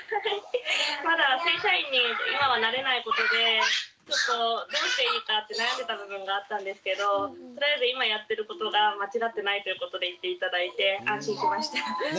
まだ正社員に今はなれないことでちょっとどうしていいかって悩んでた部分があったんですけどとりあえず今やってることが間違ってないってことを言って頂いて安心しました。